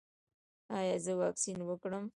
ایا زه واکسین وکړم؟